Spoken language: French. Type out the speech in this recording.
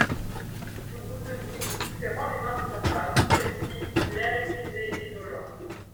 Toudoux debout, serrant les mains de sa femme ; celle-ci, l’air épuisé et dolent.